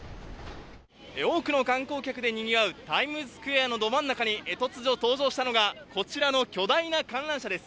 多くの観光客でにぎわうタイムズスクエアのど真ん中に突如、登場したのが、こちらの巨大な観覧車です。